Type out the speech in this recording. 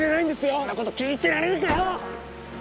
そんなこと気にしてられるかよ！